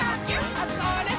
あ、それっ！